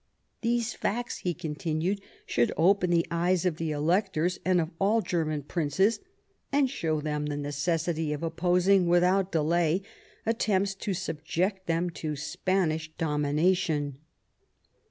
" These facts," he con tinued, " should open the eyes of the electors and of all German princes, and show them the necessity of oppos ing without delay attempts to subject them to Spanish domination."